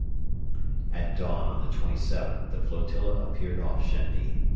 At dawn on the 27th the flotilla appeared off Shendi.